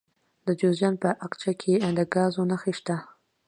د جوزجان په اقچه کې د ګازو نښې شته.